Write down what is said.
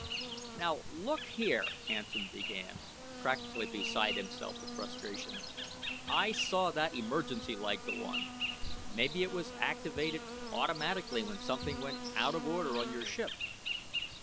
"Now look here," Hansen began, practically beside himself with frustration, "I saw that emergency light go on. Maybe it was activated automatically when something went out of order on your ship."